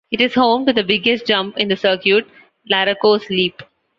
It is home to the biggest jump in the circuit, Larocco's Leap.